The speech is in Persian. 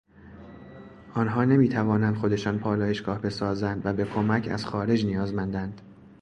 آنها نمیتوانندخودشان پالایشگاه بسازند و به کمک از خارج نیازمندند.